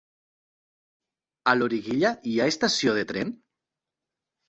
A Loriguilla hi ha estació de tren?